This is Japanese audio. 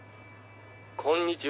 「こんにちは」